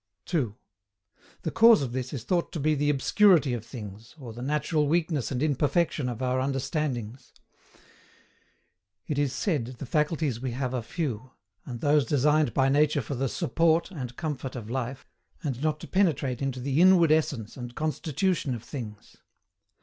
2. The cause of this is thought to be the obscurity of things, or the natural weakness and imperfection of our understandings. It is said, the faculties we have are few, and those designed by nature for the SUPPORT and comfort of life, and not to penetrate into the INWARD ESSENCE and constitution of things.